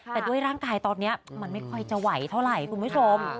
แต่ด้วยร่างกายตอนนี้มันไม่ค่อยจะไหวเท่าไหร่คุณผู้ชม